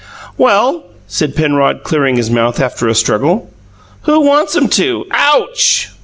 "Well," said Penrod, clearing his mouth after a struggle, "who wants 'em to? Ouch!"